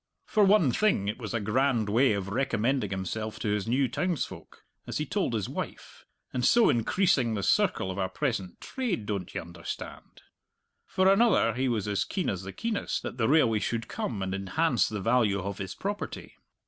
For one thing, it was a grand way of recommending himself to his new townsfolk, as he told his wife, "and so increasing the circle of our present trade, don't ye understand?" for another, he was as keen as the keenest that the railway should come and enhance the value of his property.